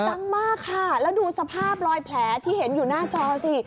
ดังมากค่ะแล้วดูสภาพรอยแผลที่เห็นอยู่หน้าจอสิ